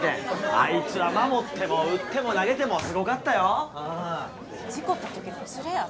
あいつは守っても打っても投げてもすごかったよ事故ったときの連れやろ？